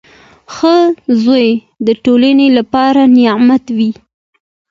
• ښه زوی د ټولنې لپاره نعمت وي.